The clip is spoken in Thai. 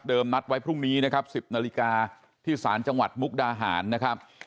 นัดไว้พรุ่งนี้นะครับ๑๐นาฬิกาที่ศาลจังหวัดมุกดาหารนะครับ